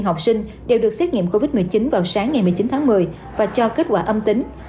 học sinh đều được xét nghiệm covid một mươi chín vào sáng ngày một mươi chín tháng một mươi và cho kết quả âm tính